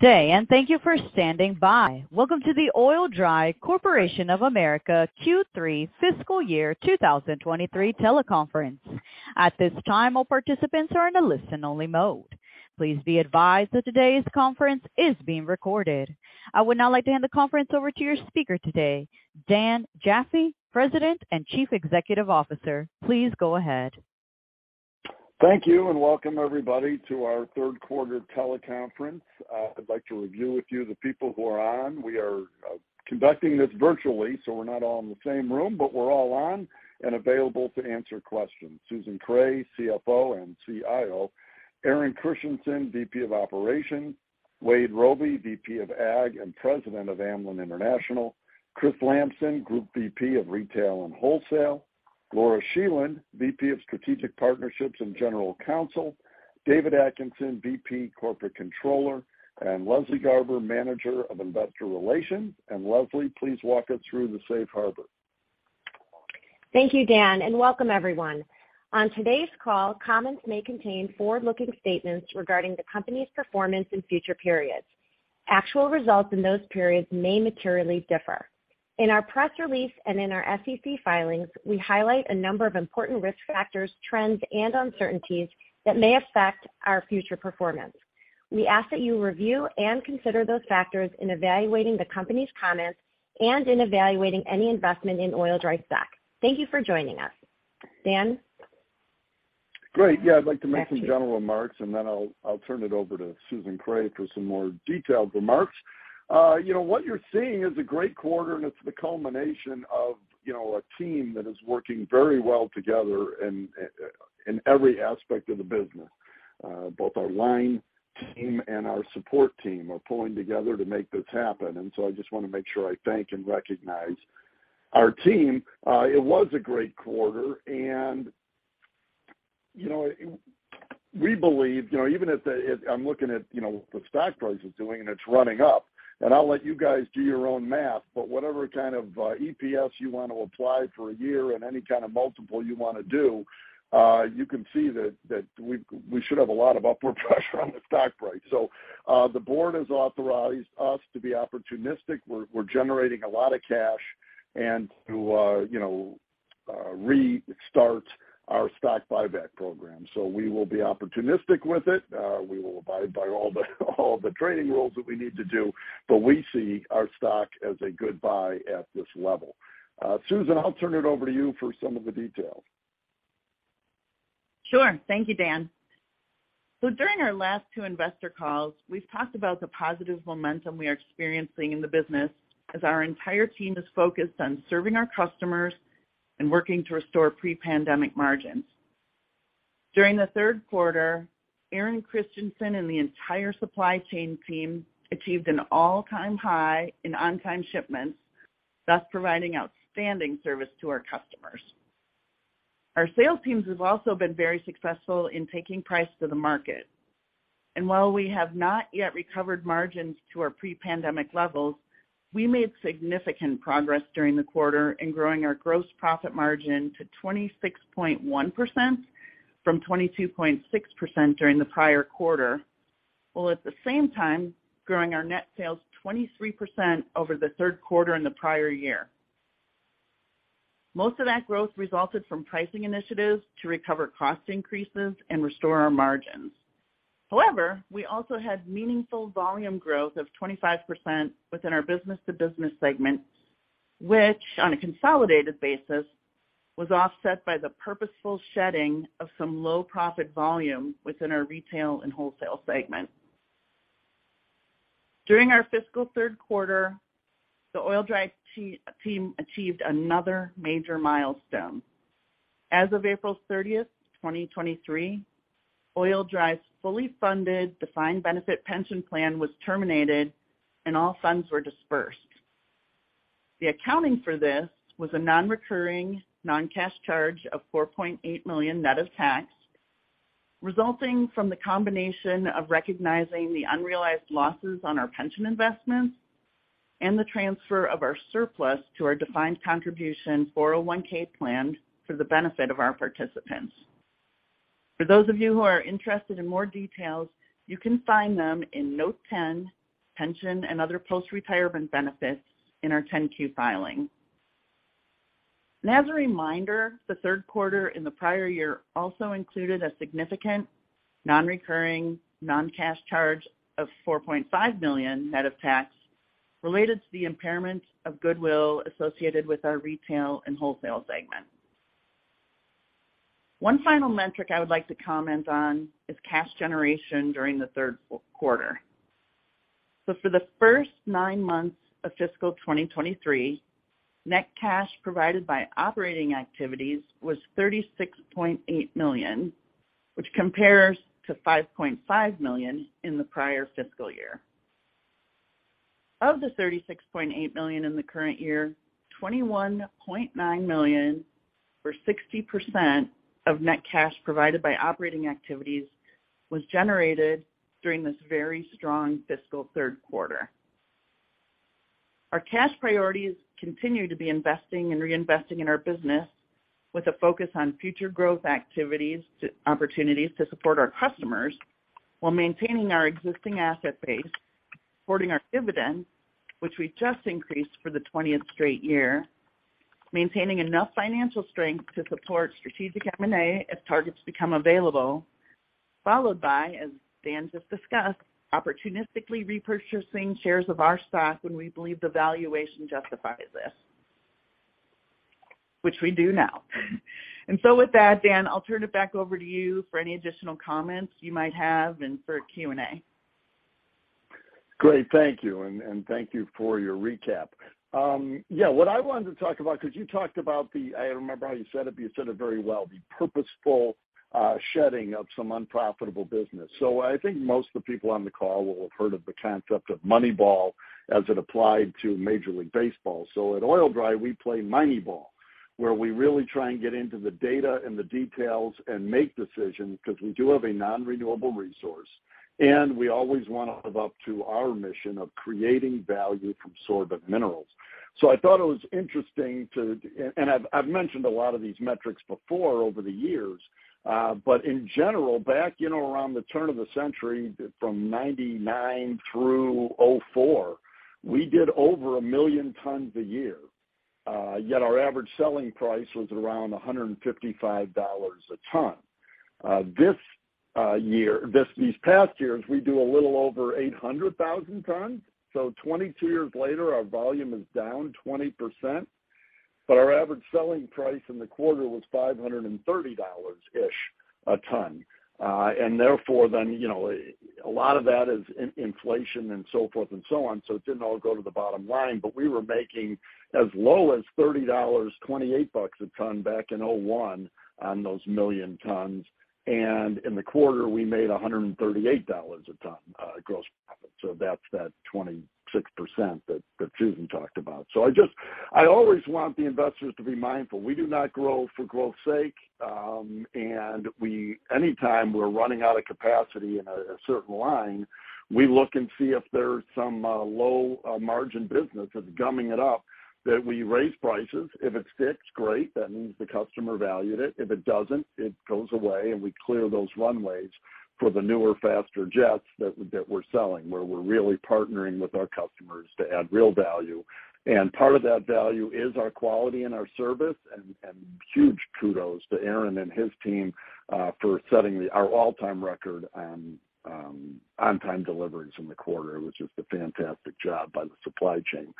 Good day. Thank you for standing by. Welcome to the Oil-Dri Corporation of America Q3 fiscal year 2023 teleconference. At this time, all participants are in a listen-only mode. Please be advised that today's conference is being recorded. I would now like to hand the conference over to your speaker today, Dan Jaffee, President and Chief Executive Officer. Please go ahead. Thank you, and welcome everybody to our third quarter teleconference. I'd like to review a few of the people who are on. We are conducting this virtually, so we're not all in the same room, but we're all on and available to answer questions. Susan Kreh, CFO and CIO, Aaron Christiansen, Vice President of Operations, Wade Robey, VP of Ag and President of Amlan International, Chris Lamson, Group VP of Retail and Wholesale, Laura Scheland, VP of Strategic Partnerships and General Counsel, David Atkinson, VP Corporate Controller, and Leslie Garber, Manager of Investor Relations. Leslie, please walk us through the Safe Harbor. Thank you, Dan, and welcome everyone. On today's call, comments may contain forward-looking statements regarding the company's performance in future periods. Actual results in those periods may materially differ. In our press release and in our SEC filings, we highlight a number of important risk factors, trends, and uncertainties that may affect our future performance. We ask that you review and consider those factors in evaluating the company's comments and in evaluating any investment in Oil-Dri stock. Thank you for joining us. Dan? Great. Yeah, I'd like to make some general remarks, and then I'll turn it over to Susan Kreh for some more detailed remarks. You know, what you're seeing is a great quarter, and it's the culmination of, you know, a team that is working very well together in every aspect of the business. Both our line team and our support team are pulling together to make this happen. I just wanna make sure I thank and recognize our team. It was a great quarter, and, you know, we believe, you know, even if the, I'm looking at, you know, what the stock price is doing and it's running up, and I'll let you guys do your own math, but whatever kind of EPS you want to apply for a year and any kind of multiple you wanna do, you can see that we should have a lot of upward pressure on the stock price. The board has authorized us to be opportunistic. We're generating a lot of cash and to, you know, restart our stock buyback program. We will be opportunistic with it. We will abide by all the trading rules that we need to do, but we see our stock as a good buy at this level. Susan, I'll turn it over to you for some of the details. Sure. Thank you, Dan. During our last two investor calls, we've talked about the positive momentum we are experiencing in the business as our entire team is focused on serving our customers and working to restore pre-pandemic margins. During the third quarter, Aaron Christiansen and the entire supply chain team achieved an all-time high in on-time shipments, thus providing outstanding service to our customers. Our sales teams have also been very successful in taking price to the market. While we have not yet recovered margins to our pre-pandemic levels, we made significant progress during the quarter in growing our gross profit margin to 26.1% from 22.6% during the prior quarter, while at the same time growing our net sales 23% over the third quarter in the prior year. Most of that growth resulted from pricing initiatives to recover cost increases and restore our margins. However, we also had meaningful volume growth of 25% within our business-to-business segment, which, on a consolidated basis, was offset by the purposeful shedding of some low profit volume within our retail and wholesale segment. During our fiscal third quarter, the Oil-Dri team achieved another major milestone. As of April 30, 2023, Oil-Dri's fully funded, defined benefit pension plan was terminated and all funds were dispersed. The accounting for this was a non-recurring, non-cash charge of $4,800,000 net of tax, resulting from the combination of recognizing the unrealized losses on our pension investments and the transfer of our surplus to our defined contribution 401(k) plan for the benefit of our participants. For those of you who are interested in more details, you can find them in Note 10, Pension and Other Post-Retirement Benefits in our 10-Q filing. As a reminder, the third quarter in the prior year also included a significant non-recurring, non-cash charge of $4,500,000 net of tax, related to the impairment of goodwill associated with our retail and wholesale segment. One final metric I would like to comment on is cash generation during the third quarter. For the first nine months of fiscal 2023, net cash provided by operating activities was $36,800,000, which compares to $5,500,000 in the prior fiscal year. Of the $36,800,000 in the current year, $21,900,000, or 60% of net cash provided by operating activities, was generated during this very strong fiscal third quarter. Our cash priorities continue to be investing and reinvesting in our business with a focus on future growth activities to opportunities to support our customers, while maintaining our existing asset base, supporting our dividend, which we just increased for the twentieth straight year, maintaining enough financial strength to support strategic M&A if targets become available, followed by, as Dan just discussed, opportunistically repurchasing shares of our stock when we believe the valuation justifies this, which we do now. With that, Dan, I'll turn it back over to you for any additional comments you might have and for Q&A. Great. Thank you, and thank you for your recap. Yeah, what I wanted to talk about, because you talked about I remember how you said it, but you said it very well, the purposeful shedding of some unprofitable business. I think most of the people on the call will have heard of the concept of Moneyball as it applied to Major League Baseball. At Oil-Dri, we play Moneyball, where we really try and get into the data and the details and make decisions, because we do have a nonrenewable resource, and we always want to live up to our mission of creating value from sorbent minerals. I thought it was interesting and I've mentioned a lot of these metrics before over the years, but in general, back, you know, around the turn of the century, from 1999 through 2004, we did over 1,000,000 tons a year, yet our average selling price was around $155 a ton. This year, these past years, we do a little over 800,000 tons. 22 years later, our volume is down 20%, but our average selling price in the quarter was $530-ish a ton. Therefore, then, you know, a lot of that is inflation and so forth and so on, so it didn't all go to the bottom line. We were making as low as $30, $28 a ton back in 2001 on those 1,000,000tons, and in the quarter, we made $138 a ton gross profit. That's that 26% that Susan talked about. I always want the investors to be mindful, we do not grow for growth's sake, and anytime we're running out of capacity in a certain line, we look and see if there's some low margin business that's gumming it up, that we raise prices. If it sticks, great, that means the customer valued it. If it doesn't, it goes away, and we clear those runways for the newer, faster jets that we're selling, where we're really partnering with our customers to add real value. Part of that value is our quality and our service, and huge kudos to Aaron and his team, for setting our all-time record on on-time deliveries in the quarter, which is a fantastic job by the supply chain.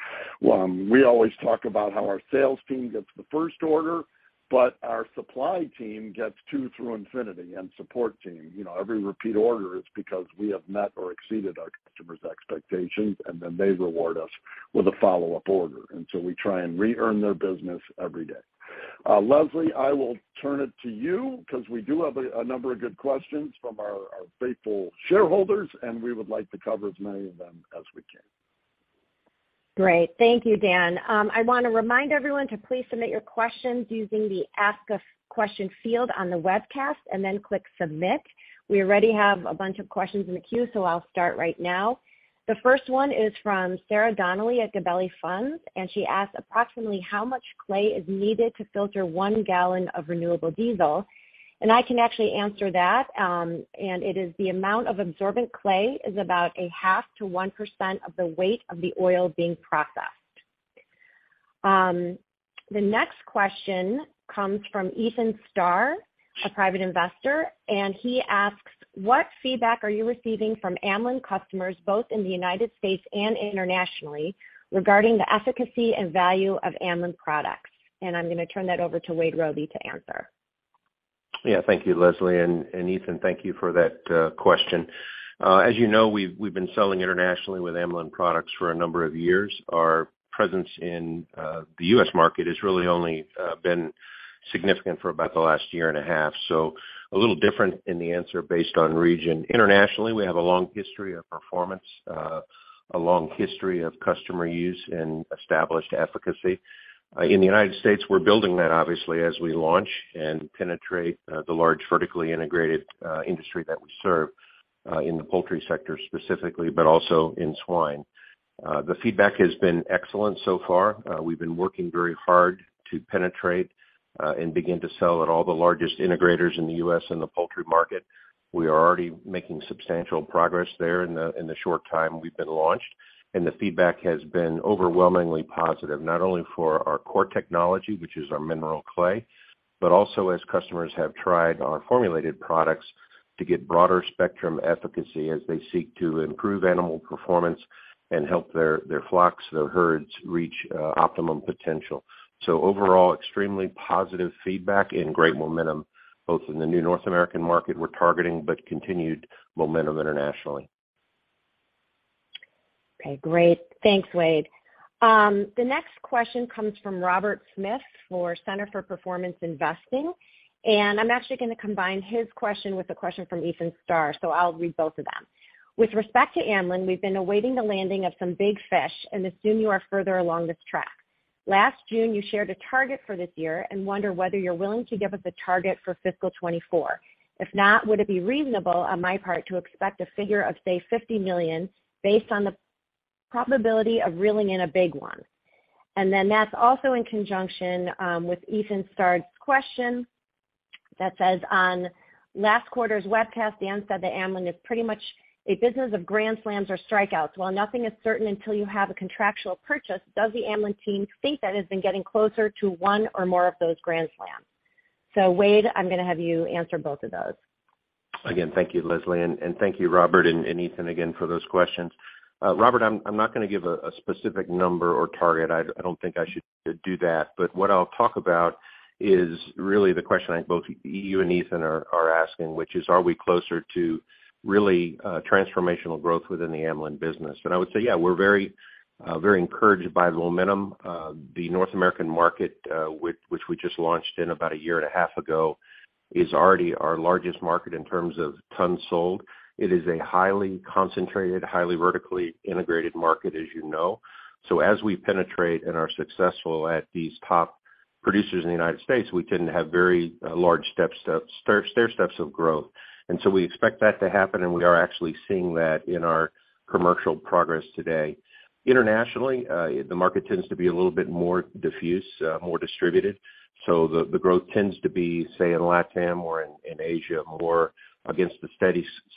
We always talk about how our sales team gets the first order, but our supply team gets two through infinity, and support team. You know, every repeat order is because we have met or exceeded our customers' expectations, they reward us with a follow-up order. We try and re-earn their business every day. Leslie, I will turn it to you because we do have a number of good questions from our faithful shareholders, and we would like to cover as many of them as we can. Great. Thank you, Dan. I want to remind everyone to please submit your questions using the Ask a Question field on the webcast then click Submit. We already have a bunch of questions in the queue, I'll start right now. The first one is from Sarah Donnelly at Gabelli Funds, she asks: approximately how much clay is needed to filter 1 gallon of renewable diesel? I can actually answer that, it is the amount of absorbent clay is about 0.5%-1% of the weight of the oil being processed. The next question comes from Ethan Starr, a private investor, he asks: what feedback are you receiving from Amlan customers, both in the United States and internationally, regarding the efficacy and value of Amlan products? I'm going to turn that over to Wade Robey to answer. Thank you, Leslie, and Ethan, thank you for that question. As you know, we've been selling internationally with Amlan products for a number of years. Our presence in the U.S. market has really only been significant for about the last year and a half. A little different in the answer based on region. Internationally, we have a long history of performance, a long history of customer use and established efficacy. In the United States, we're building that, obviously, as we launch and penetrate the large vertically integrated industry that we serve in the poultry sector specifically, but also in swine. The feedback has been excellent so far. We've been working very hard to penetrate and begin to sell at all the largest integrators in the U.S. and the poultry market. We are already making substantial progress there in the short time we've been launched, and the feedback has been overwhelmingly positive, not only for our core technology, which is our mineral clay, but also as customers have tried our formulated products to get broader spectrum efficacy as they seek to improve animal performance and help their flocks, their herds reach optimum potential. Overall, extremely positive feedback and great momentum, both in the new North American market we're targeting, but continued momentum internationally. Okay, great. Thanks, Wade. The next question comes from Robert Smith for Center for Performance Investing, and I'm actually gonna combine his question with a question from Ethan Starr, so I'll read both of them. With respect to Amlan, we've been awaiting the landing of some big fish and assume you are further along this track. Last June, you shared a target for this year and wonder whether you're willing to give us a target for fiscal 2024. If not, would it be reasonable on my part to expect a figure of, say, $50,000,000, based on the probability of reeling in a big one? Then that's also in conjunction with Ethan Starr's question that says, on last quarter's webcast, Dan said that Amlan is pretty much a business of grand slams or strikeouts. While nothing is certain until you have a contractual purchase, does the Amlan team think that it's been getting closer to one or more of those grand slams? Wade, I'm gonna have you answer both of those. Again, thank you, Leslie, and thank you, Robert and Ethan, again, for those questions. Robert, I'm not going to give a specific number or target. I don't think I should do that. What I'll talk about is really the question I think both you and Ethan are asking, which is, are we closer to really transformational growth within the Amlan business? I would say, yeah, we're very, very encouraged by the momentum. The North American market, which we just launched in about a year and a half ago, is already our largest market in terms of tons sold. It is a highly concentrated, highly vertically integrated market, as you know. As we penetrate and are successful at these top producers in the United States, we tend to have very large stairsteps of growth. We expect that to happen, and we are actually seeing that in our commercial progress today. Internationally, the market tends to be a little bit more diffuse, more distributed. The growth tends to be, say, in LATAM or in Asia, more against the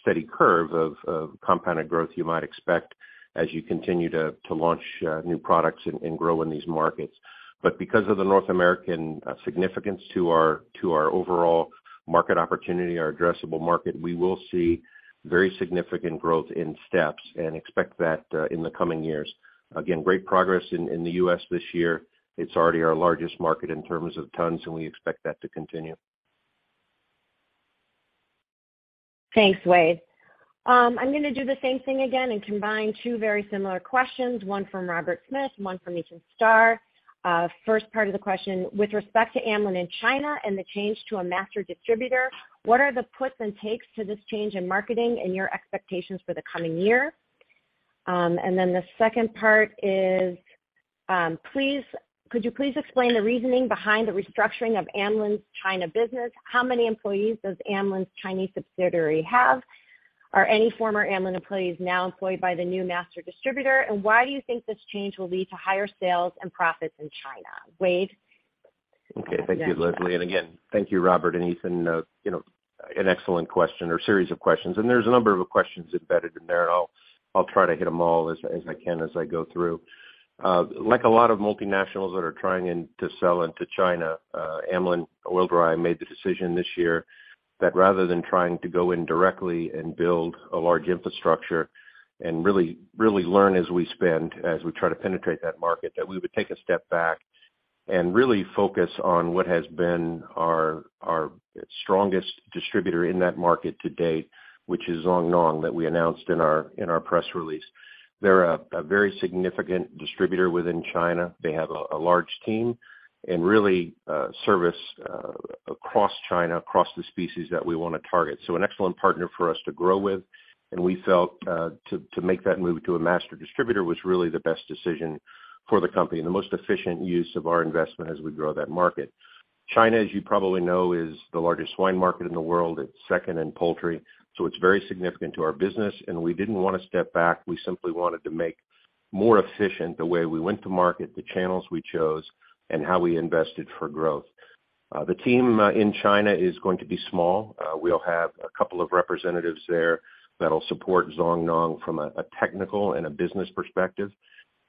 steady curve of compounded growth you might expect as you continue to launch new products and grow in these markets. Because of the North American significance to our overall market opportunity, our addressable market, we will see very significant growth in steps and expect that in the coming years. Great progress in the US this year. It's already our largest market in terms of tons, and we expect that to continue. Thanks, Wade. I'm gonna do the same thing again and combine two very similar questions, one from Robert Smith, one from Ethan Starr. First part of the question: With respect to Amlan in China and the change to a master distributor, what are the puts and takes to this change in marketing and your expectations for the coming year? The second part is: Could you please explain the reasoning behind the restructuring of Amlan's China business? How many employees does Amlan's Chinese subsidiary have? Are any former Amlan employees now employed by the new master distributor? Why do you think this change will lead to higher sales and profits in China? Wade? Okay, thank you, Leslie. Again, thank you, Robert and Ethan. You know, an excellent question or series of questions. There's a number of questions embedded in there, and I'll try to hit them all as I can, as I go through. Like a lot of multinationals that are trying to sell into China, Amlan Oil-Dri made the decision this year that rather than trying to go in directly and build a large infrastructure and really learn as we spend, as we try to penetrate that market, that we would take a step back and really focus on what has been our strongest distributor in that market to date, which is Zhongnong, that we announced in our press release. They're a very significant distributor within China. They have a large team and really service across China, across the species that we wanna target. An excellent partner for us to grow with, and we felt to make that move to a master distributor was really the best decision for the company and the most efficient use of our investment as we grow that market. China, as you probably know, is the largest swine market in the world. It's second in poultry, it's very significant to our business, and we didn't wanna step back. We simply wanted to make more efficient the way we went to market, the channels we chose, and how we invested for growth. The team in China is going to be small. We'll have a couple of representatives there that'll support Zhongnong from a technical and a business perspective.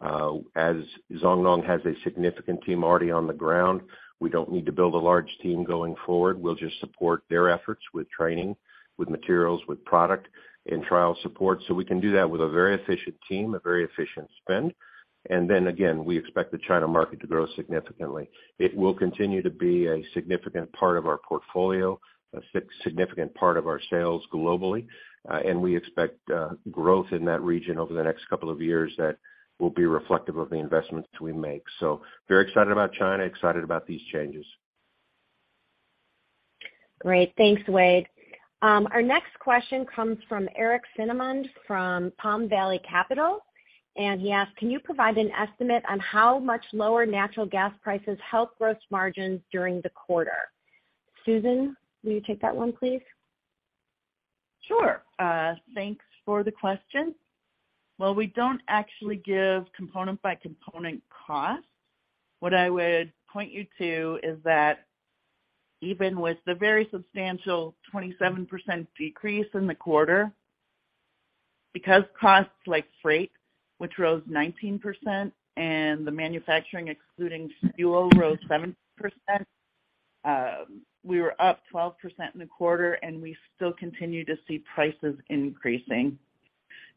As Zhongnong has a significant team already on the ground, we don't need to build a large team going forward. We'll just support their efforts with training, with materials, with product and trial support. We can do that with a very efficient team, a very efficient spend. Again, we expect the China market to grow significantly. It will continue to be a significant part of our portfolio, a significant part of our sales globally, and we expect growth in that region over the next couple of years that will be reflective of the investments we make. Very excited about China, excited about these changes. Great. Thanks, Wade. Our next question comes from Eric Cinnamond from Palm Valley Capital, he asked: Can you provide an estimate on how much lower natural gas prices help gross margins during the quarter? Susan, will you take that one, please? Sure, thanks for the question. While we don't actually give component by component cost, what I would point you to is that even with the very substantial 27% decrease in the quarter, because costs like freight, which rose 19%, and the manufacturing, excluding fuel, rose 7%, we were up 12% in the quarter. We still continue to see prices increasing.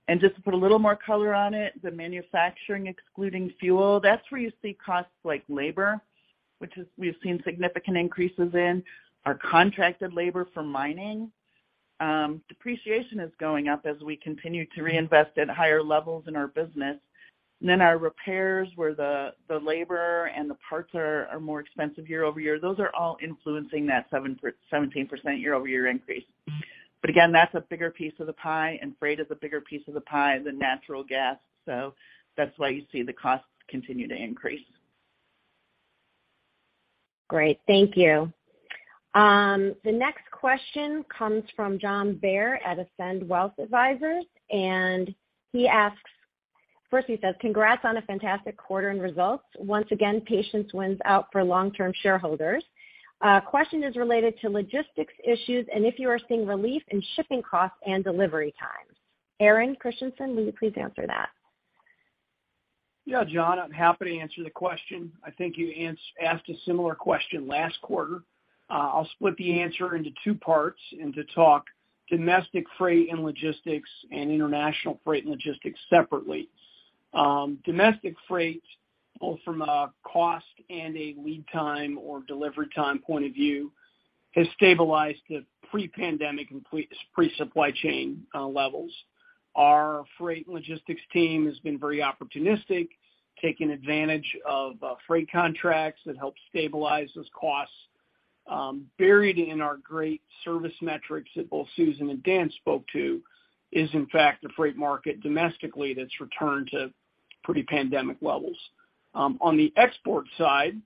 Just to put a little more color on it, the manufacturing, excluding fuel, that's where you see costs like labor, which we've seen significant increases in, our contracted labor for mining. Depreciation is going up as we continue to reinvest at higher levels in our business. Our repairs, where the labor and the parts are more expensive year-over-year, those are all influencing that 17% year-over-year increase. Again, that's a bigger piece of the pie, and freight is a bigger piece of the pie than natural gas, so that's why you see the costs continue to increase. Great, thank you. The next question comes from John Bair at Ascend Wealth Advisors, first, he says, congrats on a fantastic quarter and results. Once again, patience wins out for long-term shareholders. Question is related to logistics issues, and if you are seeing relief in shipping costs and delivery times. Aaron Christiansen, will you please answer that? John, I'm happy to answer the question. I think you asked a similar question last quarter. I'll split the answer into two parts, to talk domestic freight and logistics and international freight and logistics separately. Domestic freight, both from a cost and a lead time or delivery time point of view, has stabilized to pre-pandemic and pre-supply chain levels. Our freight and logistics team has been very opportunistic, taking advantage of freight contracts that help stabilize those costs. Buried in our great service metrics that both Susan and Dan spoke to is, in fact, a freight market domestically that's returned to pretty pandemic levels. On the export side,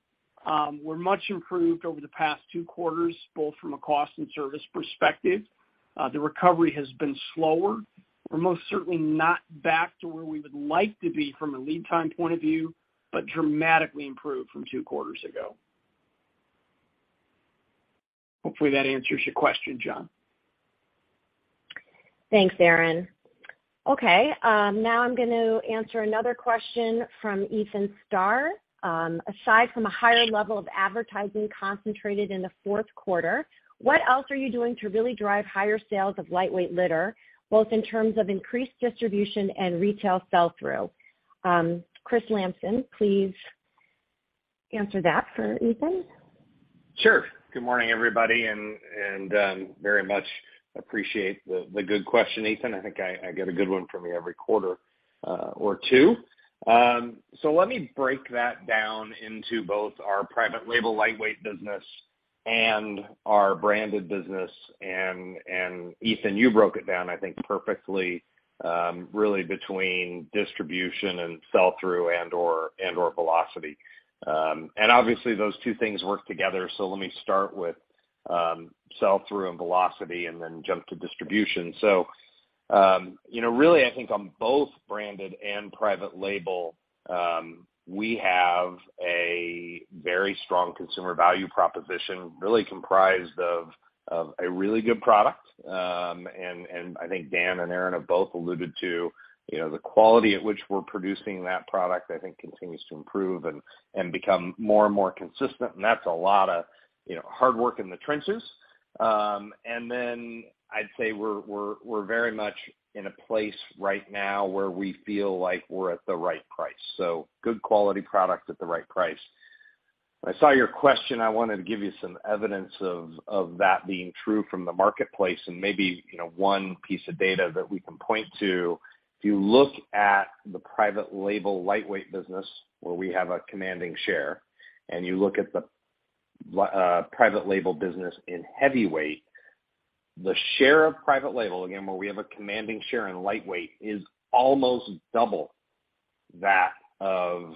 we're much improved over the past two quarters, both from a cost and service perspective. The recovery has been slower. We're most certainly not back to where we would like to be from a lead time point of view, but dramatically improved from two quarters ago. Hopefully, that answers your question, John. Thanks, Aaron. Now I'm going to answer another question from Ethan Starr. Aside from a higher level of advertising concentrated in the fourth quarter, what else are you doing to really drive higher sales of lightweight litter, both in terms of increased distribution and retail sell-through? Chris Lamson, please answer that for Ethan. Sure. Good morning, everybody, and very much appreciate the good question, Ethan. I think I get a good one from you every quarter, or 2. Let me break that down into both our private label lightweight business and our branded business. Ethan, you broke it down, I think, perfectly, really between distribution and sell-through and/or velocity. Obviously, those two things work together, let me start with sell-through and velocity and then jump to distribution. You know, really, I think on both branded and private label, we have a very strong consumer value proposition, really comprised of a really good product. I think Dan and Aaron have both alluded to, you know, the quality at which we're producing that product, I think, continues to improve and become more and more consistent, and that's a lot of, you know, hard work in the trenches. I'd say we're very much in a place right now where we feel like we're at the right price. Good quality product at the right price. I saw your question, I wanted to give you some evidence of that being true from the marketplace and maybe, you know, one piece of data that we can point to. If you look at the private label Lightweight business, where we have a commanding share, and you look at the private label business in heavyweight, the share of private label, again, where we have a commanding share in Lightweight, is almost double that of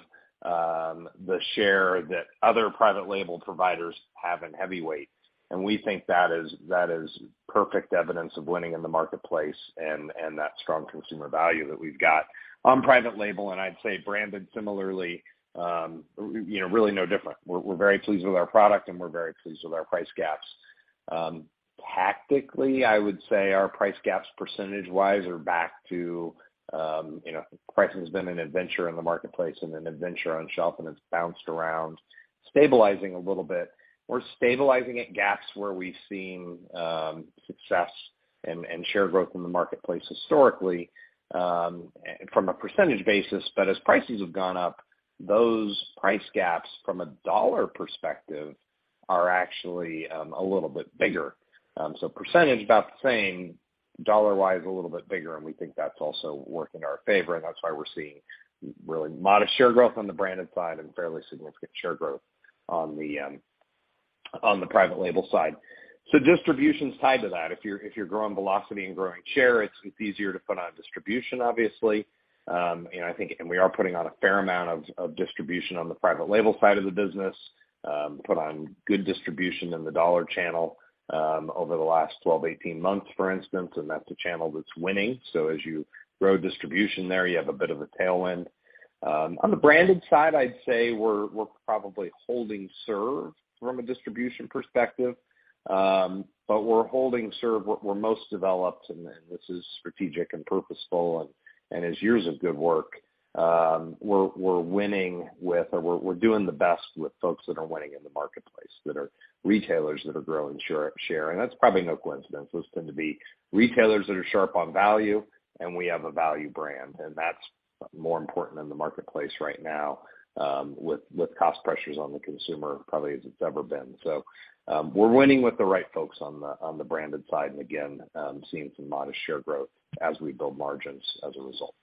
the share that other private label providers have in heavyweight. We think that is perfect evidence of winning in the marketplace and that strong consumer value that we've got on private label, and I'd say branded similarly, you know, really no different. We're very pleased with our product, and we're very pleased with our price gaps. Tactically, I would say our price gaps, percentage-wise, are back to, you know, pricing has been an adventure in the marketplace and an adventure on shelf, and it's bounced around, stabilizing a little bit. We're stabilizing at gaps where we've seen, success and share growth in the marketplace historically, from a percentage basis. As prices have gone up, those price gaps from a dollar perspective are actually, a little bit bigger. Percentage, about the same, dollar-wise, a little bit bigger, and we think that's also working in our favor, and that's why we're seeing really modest share growth on the branded side and fairly significant share growth on the, on the private label side. Distribution's tied to that. If you're, if you're growing velocity and growing share, it's easier to put on distribution, obviously. We are putting on a fair amount of distribution on the private label side of the business, put on good distribution in the dollar channel, over the last 12, 18 months, for instance, and that's a channel that's winning. As you grow distribution there, you have a bit of a tailwind. On the branded side, I'd say we're probably holding serve from a distribution perspective. We're holding serve what we're most developed, and then this is strategic and purposeful and is years of good work. We're winning with, or we're doing the best with folks that are winning in the marketplace, that are retailers that are growing share. That's probably no coincidence. Those tend to be retailers that are sharp on value, and we have a value brand, and that's more important in the marketplace right now, with cost pressures on the consumer, probably as it's ever been. We're winning with the right folks on the branded side, and again, seeing some modest share growth as we build margins as a result.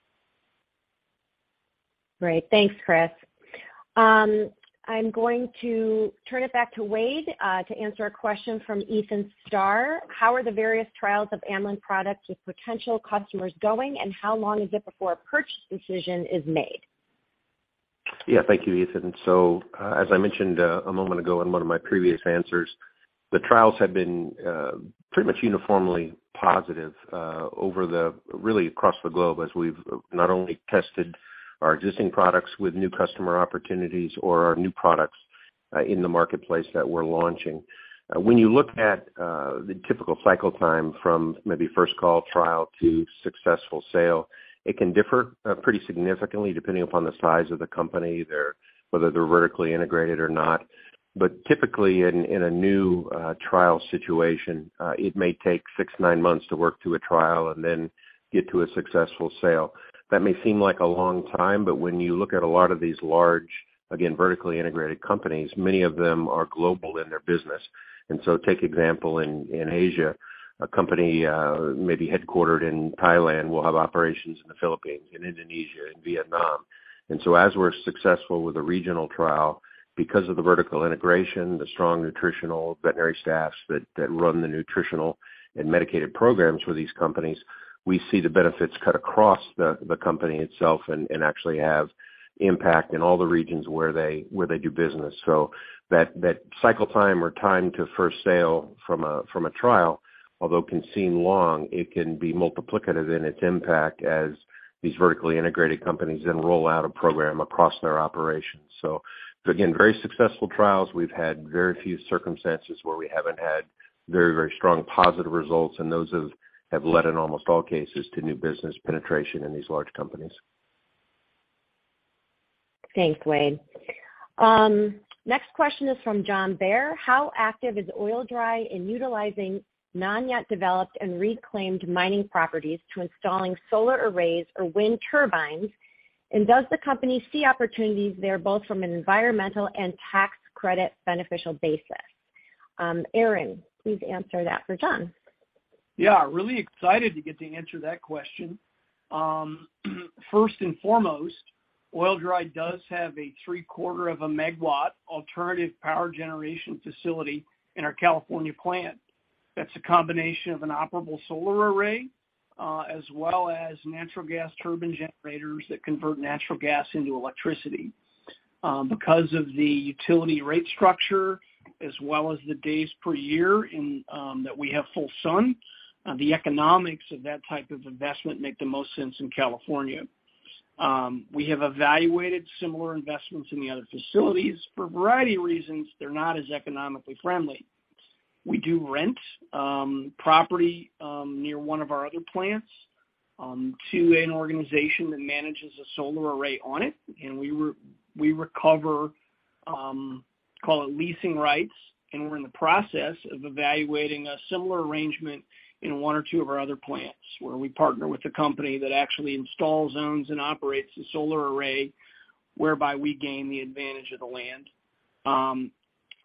Great. Thanks, Chris. I'm going to turn it back to Wade, to answer a question from Ethan Starr. How are the various trials of Amlan products with potential customers going, and how long is it before a purchase decision is made? Yeah, thank you, Ethan. As I mentioned, a moment ago in one of my previous answers, the trials have been pretty much uniformly positive across the globe, as we've not only tested our existing products with new customer opportunities or our new products in the marketplace that we're launching. When you look at the typical cycle time from maybe first call trial to successful sale, it can differ pretty significantly depending upon the size of the company, whether they're vertically integrated or not. Typically, in a new trial situation, it may take six, nine months to work through a trial and then get to a successful sale. That may seem like a long time, but when you look at a lot of these large, again, vertically integrated companies, many of them are global in their business. Take example, in Asia, a company, maybe headquartered in Thailand, will have operations in the Philippines, in Indonesia and Vietnam. As we're successful with a regional trial, because of the vertical integration, the strong nutritional veterinary staffs that run the nutritional and medicated programs for these companies, we see the benefits cut across the company itself and actually have impact in all the regions where they do business. That cycle time or time to first sale from a trial, although can seem long, it can be multiplicative in its impact as these vertically integrated companies then roll out a program across their operations. Again, very successful trials. We've had very few circumstances where we haven't had very, very strong positive results, and those have led in almost all cases, to new business penetration in these large companies. Thanks, Wade. Next question is from John Bair. How active is Oil-Dri in utilizing non-yet developed and reclaimed mining properties to installing solar arrays or wind turbines? Does the company see opportunities there, both from an environmental and tax credit beneficial basis? Aaron, please answer that for John. Yeah, really excited to get to answer that question. First and foremost, Oil-Dri does have a three-quarter of a megawatt alternative power generation facility in our California plant. That's a combination of an operable solar array, as well as natural gas turbine generators that convert natural gas into electricity. Because of the utility rate structure, as well as the days per year in that we have full sun, the economics of that type of investment make the most sense in California. We have evaluated similar investments in the other facilities. For a variety of reasons, they're not as economically friendly. We do rent property near one of our other plants to an organization that manages a solar array on it, and we recover call it leasing rights. We're in the process of evaluating a similar arrangement in 1 or 2 of our other plants, where we partner with a company that actually installs, owns, and operates the solar array, whereby we gain the advantage of the land.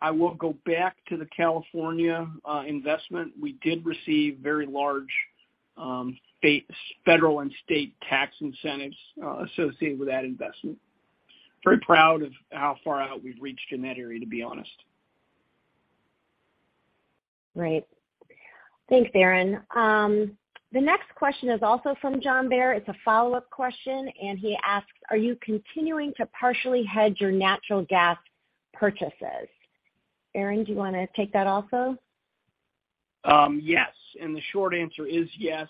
I will go back to the California investment. We did receive very large, state, federal and state tax incentives associated with that investment. Very proud of how far out we've reached in that area, to be honest. Great. Thanks, Aaron. The next question is also from John Bair. It's a follow-up question. He asks: Are you continuing to partially hedge your natural gas purchases? Aaron, do you want to take that also? Yes. The short answer is yes.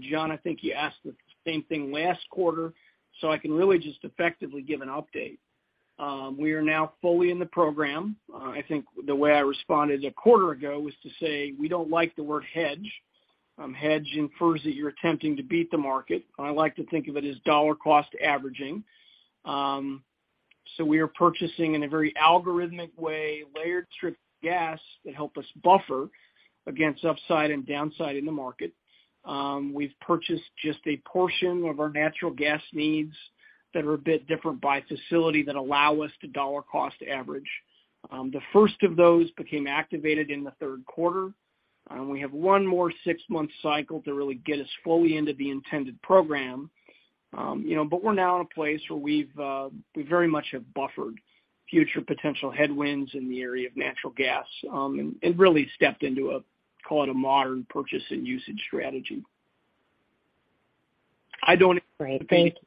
John, I think you asked the same thing last quarter, I can really just effectively give an update. We are now fully in the program. I think the way I responded a quarter ago was to say we don't like the word hedge. Hedge infers that you're attempting to beat the market. I like to think of it as dollar cost averaging. We are purchasing in a very algorithmic way, layered strip gas, that help us buffer against upside and downside in the market. We've purchased just a portion of our natural gas needs that are a bit different by facility that allow us to dollar cost average. The first of those became activated in the third quarter. We have 1 more 6-month cycle to really get us fully into the intended program. You know, we're now in a place where we've, we very much have buffered future potential headwinds in the area of natural gas, and really stepped into a, call it a modern purchase and usage strategy. Great, thank you.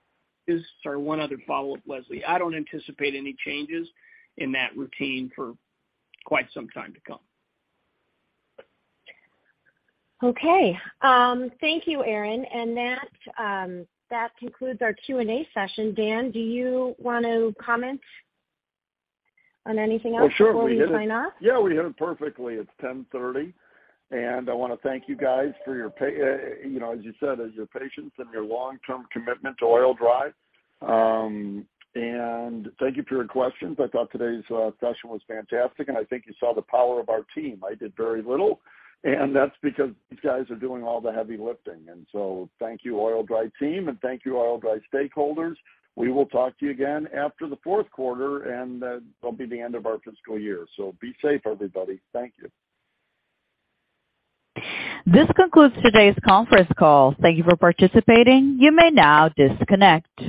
Sorry, one other follow-up, Leslie. I don't anticipate any changes in that routine for quite some time to come. Okay, thank you, Aaron. That concludes our Q&A session. Dan, do you want to comment on anything else? Oh, sure. Before we sign off? Yeah, we hit it perfectly. It's 10:30. I want to thank you guys for your patience and your long-term commitment to Oil-Dri. Thank you for your questions. I thought today's session was fantastic, and I think you saw the power of our team. I did very little, and that's because these guys are doing all the heavy lifting. Thank you, Oil-Dri team, and thank you, Oil-Dri stakeholders. We will talk to you again after the fourth quarter. That'll be the end of our fiscal year. Be safe, everybody. Thank you. This concludes today's conference call. Thank you for participating. You may now disconnect.